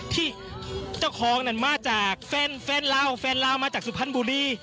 ที่เจ้าของนั้นมาจากแฟนแฟนลาวแฟนลาวมาจากสุภัณฑ์บุรี